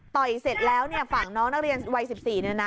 ต่อยเสร็จแล้วฝั่งน้องนักเรียนวัย๑๔นี่นะ